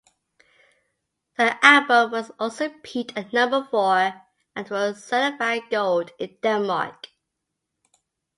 The album was also peaked at number four and was certified gold in Denmark.